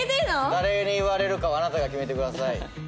誰に言われるかはあなたが決めてください。